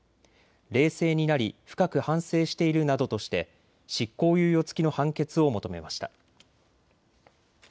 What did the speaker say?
冷静になり深く反省しているなどとして執行猶予付きの判決を求めました。